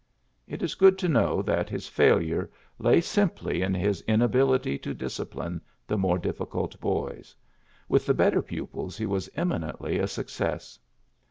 It is good to know that his failure lay simply in his inability to discipline the more difficult boys : with the better pupils he was eminently a success.